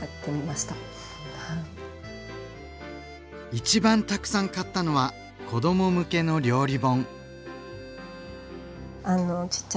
一番たくさん買ったのは子ども向けの料理本。